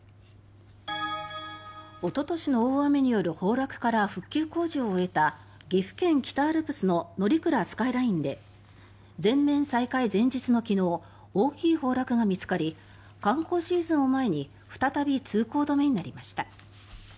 おととしの大雨による崩落から復旧工事を終えた岐阜県・北アルプスの乗鞍スカイラインで全面再開前日の昨日大きい崩落が見つかり観光シーズンを前に再び通行止めになりました。